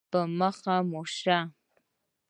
په مخه مو ښه.